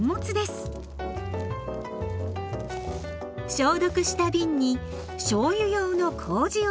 消毒した瓶にしょうゆ用のこうじを入れます。